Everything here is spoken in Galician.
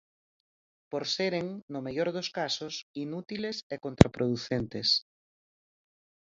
Por seren, no mellor dos casos, inútiles e contraproducentes.